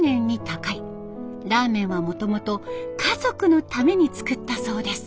ラーメンはもともと家族のために作ったそうです。